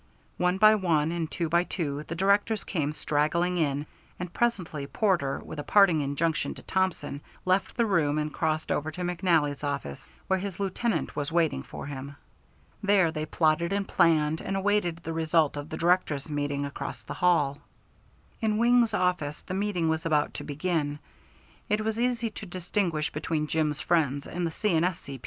One by one, and two by two, the directors came straggling in, and presently Porter, with a parting injunction to Thompson, left the room and crossed over to McNally's office, where his lieutenant was waiting for him. There they plotted and planned and awaited the result of the directors' meeting across the hall. In Wing's office the meeting was about to begin. It was easy to distinguish between Jim's friends and the C. & S.C.